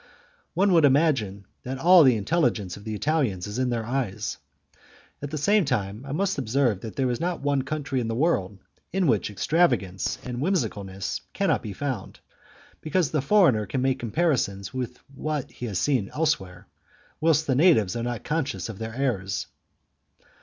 One would imagine that all the intelligence of the Italians is in their eyes. At the same time I must observe that there is not one country in the world in which extravagance and whimsicalness cannot be found, because the foreigner can make comparisons with what he has seen elsewhere, whilst the natives are not conscious of their errors.